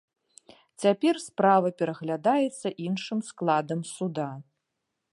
Цяпер справа пераглядаецца іншым складам суда.